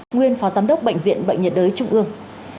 nguyên phó giám đốc bệnh viện bệnh nhiệt đới trung ương